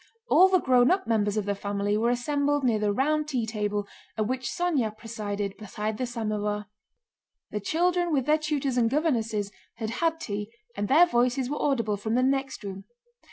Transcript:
All the grown up members of the family were assembled near the round tea table at which Sónya presided beside the samovar. The children with their tutors and governesses had had tea and their voices were audible from the next room.